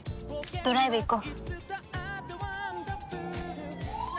ドライブ行こう！